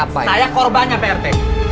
pak rt saya korbannya pak rt